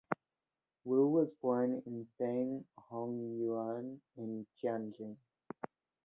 Wu was born Feng Hongyuan in Tianjin.